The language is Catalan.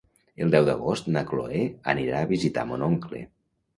El deu d'agost na Chloé anirà a visitar mon oncle.